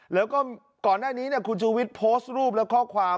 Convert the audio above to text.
แล้วก็ก่อนหน้านี้คุณชูวิทย์โพสต์รูปและข้อความ